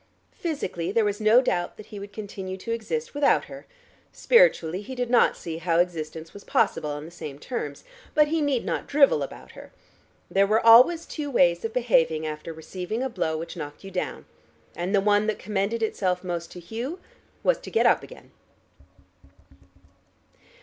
Physically there was no doubt that he would continue to exist without her, spiritually he did not see how existence was possible on the same terms. But he need not drivel about her. There were always two ways of behaving after receiving a blow which knocked you down, and the one that commended itself most to Hugh was to get up again.